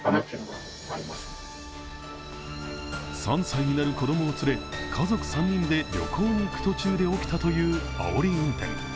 ３歳になる子供を連れ、家族３人で旅行に行く途中で起きたというあおり運転。